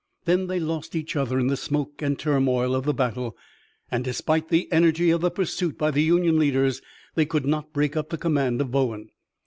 Then they lost each other in the smoke and turmoil of the battle, and, despite the energy of the pursuit by the Union leaders, they could not break up the command of Bowen.